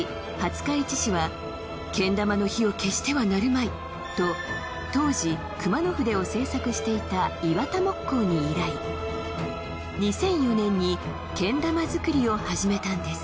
廿日市市は「けん玉の火を消してはなるまい！」と当時熊野筆を製作していたイワタ木工に依頼２００４年にけん玉作りを始めたんです